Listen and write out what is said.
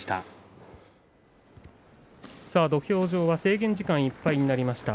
土俵上は制限時間いっぱいになりました。